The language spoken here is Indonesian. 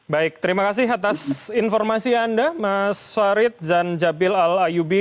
baik terima kasih atas informasi anda mas warid zanjabil al ayubi